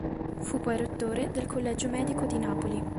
Fu poi rettore del "Collegio Medico di Napoli".